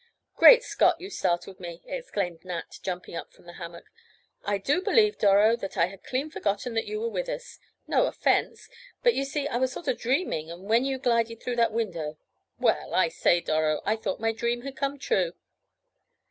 "Great Scott! But you startled me!" exclaimed Nat, jumping up from the hammock. "I do believe, Doro, that I had clean forgotten that you were with us—no offense—but you see I was sort of dreaming and when you glided through that window—well—I say, Doro, I thought my dream had come true!"